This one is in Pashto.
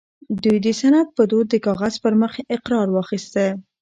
دوی د سند په دود د کاغذ پر مخ اقرار واخيسته